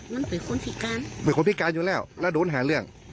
มันเป็นคนพิการเป็นคนพิการอยู่แล้วแล้วโดนหาเรื่อง